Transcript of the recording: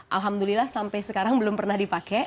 alhamdulillah sampai sekarang belum pernah dipakai